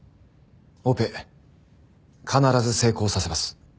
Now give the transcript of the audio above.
オペ必ず成功させます。